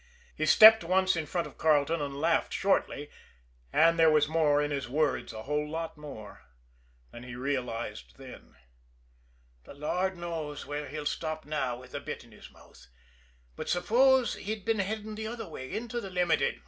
He stepped once in front of Carleton and laughed shortly and there was more in his words, a whole lot more, than he realized then. "The Lord knows where he'll stop now with the bit in his teeth, but suppose he'd been heading the other way into the Limited h'm!